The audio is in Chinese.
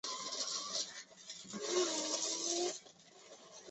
病愈后的患者通常对该疾病会产生免疫抗性。